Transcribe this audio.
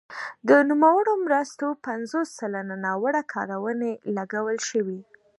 د نوموړو مرستو پنځوس سلنه ناوړه کارونې لګول شوي.